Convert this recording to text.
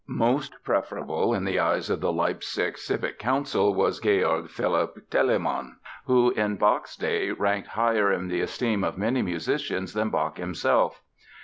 Most preferable in the eyes of the Leipzig civic council was George Philipp Telemann who in Bach's day ranked higher in the esteem of many musicians than Bach himself.